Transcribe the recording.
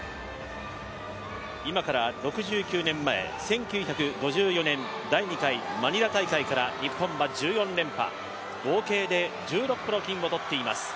今から６９年前、１９５４年、第２回マニラ大会から日本は１４連覇、合計で１６個の金を取っています。